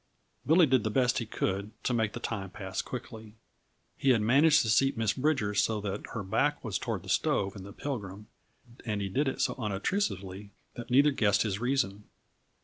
Billy did the best he could to make the time pass quickly. He had managed to seat Miss Bridger so that her back was toward the stove and the Pilgrim, and he did it so unobtrusively that neither guessed his reason.